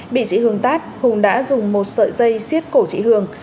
bị chị hương tát hùng đã dùng một sợi dây xiết cổ chị hường